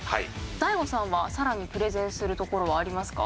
ＤＡＩＧＯさんはさらにプレゼンするところはありますか？